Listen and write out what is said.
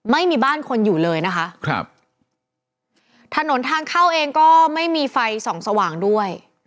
ไม่มีบ้านคนอยู่เลยนะคะครับถนนทางเข้าเองก็ไม่มีไฟส่องสว่างด้วย